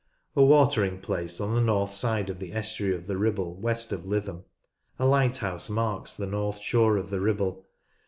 A watering place on the north side of the estuary ot the Ribble west of Lytham. A lighthouse marks the north shore of the Ribble.